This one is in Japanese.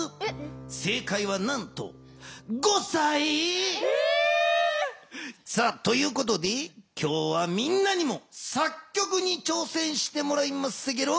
せいかいはなんとということで今日はみんなにも作曲にちょうせんしてもらいますゲロ。